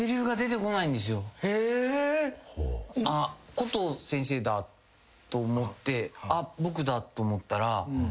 コトー先生だと思ってあっ僕だと思ったら。